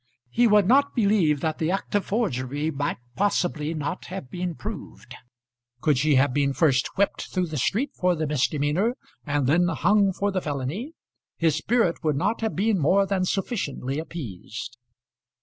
He would not believe that the act of forgery might possibly not have been proved. Could she have been first whipped through the street for the misdemeanour, and then hung for the felony, his spirit would not have been more than sufficiently appeased.